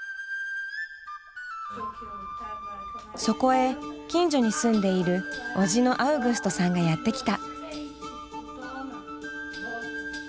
そこへ近所に住んでいる叔父のアウグストさんがやって来た。